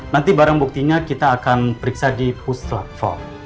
nanti barang buktinya kita akan periksa di pusat